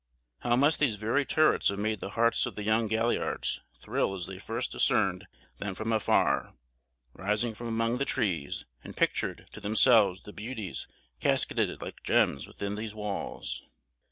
How must these very turrets have made the hearts of the young galliards thrill as they first discerned them from afar, rising from among the trees, and pictured to themselves the beauties casketed like gems within these walls!